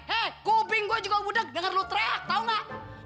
hei kubing gua juga budeg denger lu teriak tau gak